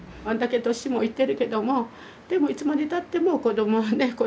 あんだけ年もいってるけどもでもいつまでたっても子供はね